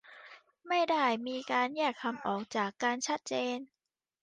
ไม่ได้มีการแยกคำออกจากกันชัดเจน